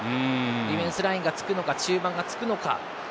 ディフェンスラインがつくのか中盤がつくのか。